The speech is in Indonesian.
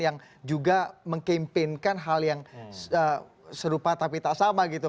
yang juga mengkampenkan hal yang serupa tapi tak sama gitu